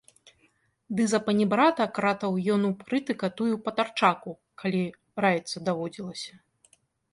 Ды запанібрата кратаў ён у крытыка тую патарчаку, калі раіцца даводзілася.